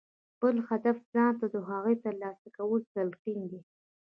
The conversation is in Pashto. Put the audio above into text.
بل هدف ځان ته د هغو د ترلاسه کولو تلقين دی.